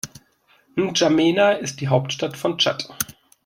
N’Djamena ist die Hauptstadt von Tschad.